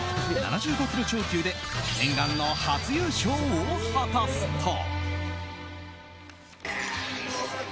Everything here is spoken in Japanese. ７５ｋｇ超級で念願の初優勝を果たすと。